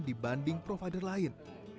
dibanding provider lain